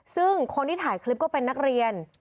ซึ่งคนที่ถ่ายคลิปก็เป็นนักเรียน